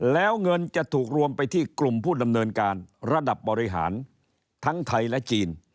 แล้วเงินจะถูกรวมไปที่กลุ่มผู้ดำเนินการระดับบริหารทั้งไทยและจีน